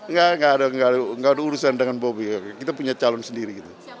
nggak ada urusan dengan bobi kita punya calon sendiri gitu